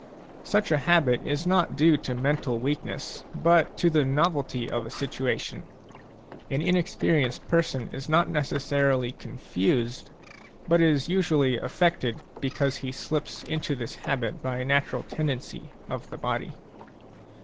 Such a habit is not due to mental weakness, but to the novelty of a situation ; an inexperienced person is not necessarily confused, but is usually affected, because he slips into this habit by natural tendency of the body.